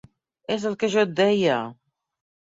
És el que jo et deia!